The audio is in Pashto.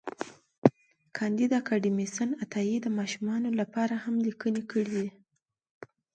کانديد اکاډميسن عطایي د ماشومانو لپاره هم لیکني کړي دي.